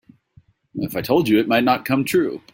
If I told you it might not come true.